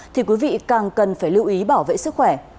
thì quý vị càng cần phải lưu ý bảo vệ sức khỏe